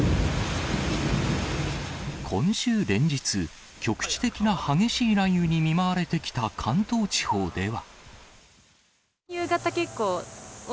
今週連日、局地的な激しい雷雨に見舞われてきた関東地方では。